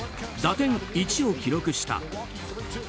打点１を記録した。